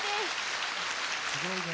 すごいね。